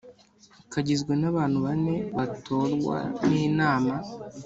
Kagizwe n abantu bane batorwa n inama